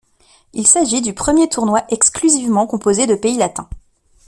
Il s'agit du premier tournoi exclusivement composé de pays latins.